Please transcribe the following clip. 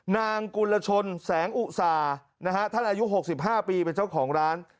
กุลชนแสงอุสานะฮะท่านอายุ๖๕ปีเป็นเจ้าของร้าน